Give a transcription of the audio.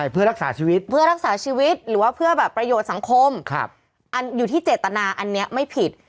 เพื่อรักษาชีวิตหรือว่าเพื่อประโยชน์สังคมอยู่ที่เจตนาอันนี้ไม่ผิด